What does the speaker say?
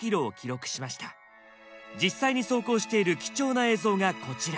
実際に走行している貴重な映像がこちら。